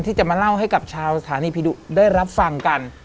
ที่จะมาเล่าให้กับชาวสถานีผีดุได้รับฟังกัน